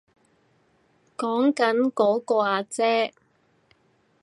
講緊嗰個阿姐